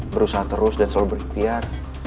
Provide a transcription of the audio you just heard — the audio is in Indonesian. berusaha terus dan selalu berikhtiar